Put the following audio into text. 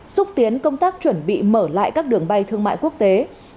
xúc tiến công tác chuẩn bị mở lại các đường bay thương mại quốc tế